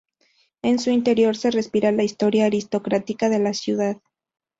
En su interior se respira la historia aristocrática de la ciudad.